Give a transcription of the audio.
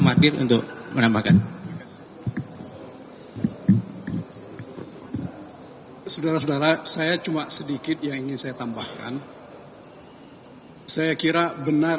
madir untuk menambahkan hai saudara saudara saya cuma sedikit yang ingin saya tambahkan saya kira benar